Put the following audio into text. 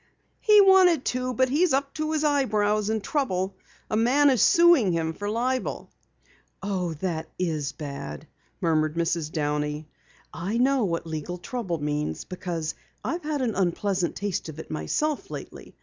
"He wanted to, but he's up to his eyebrows in trouble. A man is suing him for libel." "Oh, that is bad," murmured Mrs. Downey. "I know what legal trouble means because I've had an unpleasant taste of it myself lately.